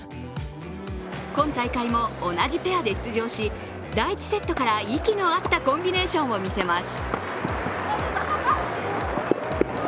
今大会も同じペアで出場し第１セットから息の合ったコンビネーションを見せます。